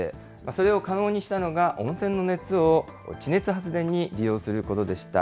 それを可能にしたのが、温泉の熱を地熱発電に利用することでした。